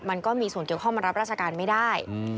มันก็มีส่วนเกี่ยวข้องมารับราชการไม่ได้